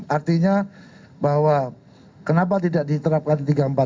artinya bahwa kenapa tidak diterapkan tiga ratus empat puluh